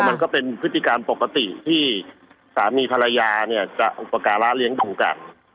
มันก็เป็นพฤติการปกติที่สามีภรรยาเนี่ยจะอุปการะเลี้ยงดูกัน